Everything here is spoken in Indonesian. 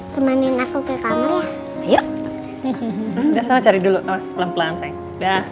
temenin aku ke kamarnya yuk cari dulu pelan pelan saya